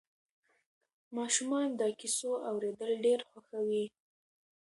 ماشومان د کیسو اورېدل ډېر خوښوي.